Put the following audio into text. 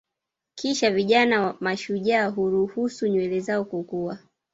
Kisha vijana mashujaa huruhusu nywele zao kukua